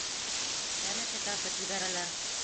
Тәмәке тартып ебәрәләр.